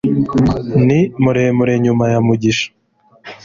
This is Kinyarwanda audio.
Ni muremure, nyuma ya Mugisha